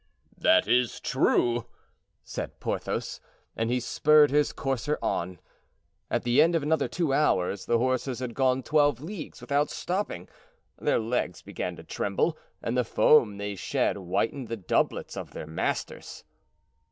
"That is true," said Porthos And he spurred his courser on. At the end of another two hours the horses had gone twelve leagues without stopping; their legs began to tremble, and the foam they shed whitened the doublets of their masters.